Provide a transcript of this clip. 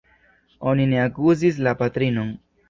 Oni ne akuzis la patrinon.